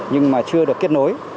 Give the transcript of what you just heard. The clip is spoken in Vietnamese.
nhưng mà chưa được kết nối